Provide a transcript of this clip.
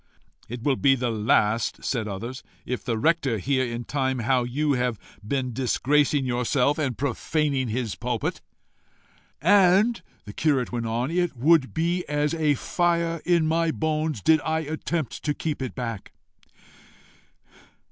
"It will be the last," said others, "if the rector hear in time how you have been disgracing yourself and profaning his pulpit." "And," the curate went on, "it would be as a fire in my bones did I attempt to keep it back.